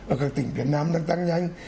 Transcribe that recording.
ở các tỉnh việt nam đang tăng nhanh